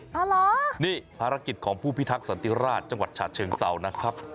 อ๋อเหรอนี่ภารกิจของผู้พิทักษันติราชจังหวัดฉะเชิงเศร้านะครับ